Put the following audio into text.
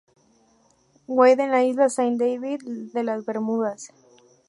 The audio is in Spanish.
Wade, en la isla Saint David, de Las Bermudas.